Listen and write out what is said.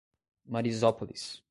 Marizópolis